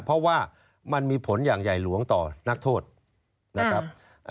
เพราะว่ามันมีผลอย่างใหญ่หลวงต่อนักโทษนะครับ